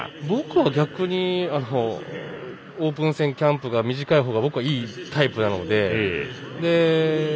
僕は逆にオープン戦、キャンプが短いほうが、いいタイプなので。